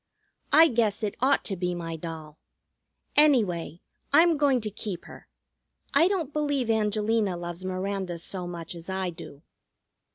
I guess it ought to be my doll. Anyway, I'm going to keep her. I don't believe Angelina loves Miranda so much as I do."